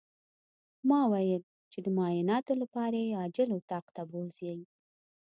ما ويل چې د معايناتو لپاره يې عاجل اتاق ته بوځئ.